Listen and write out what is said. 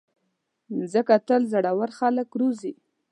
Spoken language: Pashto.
مځکه تل زړور خلک روزلي.